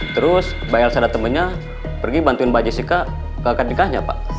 terus mbak elsa datangnya pergi bantuin mbak jessica ke akad nikahnya pak